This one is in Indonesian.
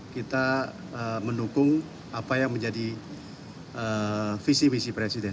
kita mendukung apa yang menjadi visi visi presiden